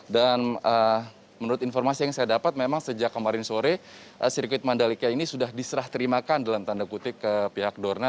dan menurut informasi yang saya dapat memang sejak kemarin sore sirkuit mandalika ini sudah diserah terimakan dalam tanda kutip ke pihak dorna